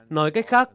nói cách khác